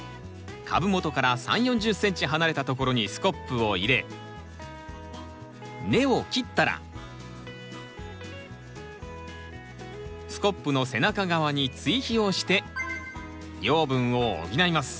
株元から３０４０ｃｍ離れたところにスコップを入れ根を切ったらスコップの背中側に追肥をして養分を補います。